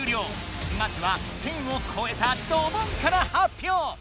まずは１，０００をこえたドボンから発表！